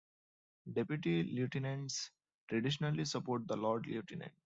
Deputy Lieutenants traditionally support the Lord-Lieutenant.